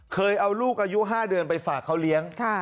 เคยเอาลูกอายุ๕เดือนไปฝากเขาเลี้ยง